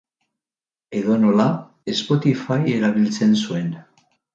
Edonola, Spotify erabiltzen zuen.